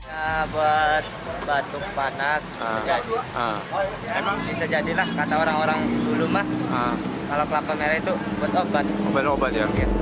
ya buat batuk panas jadi emang bisa jadilah kata orang orang dulu mah kalau kelapa merah itu buat obat